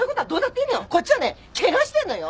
こっちはねケガしてんのよ？